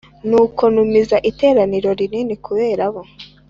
Nuko ntumiza iteraniro rinini kubera bo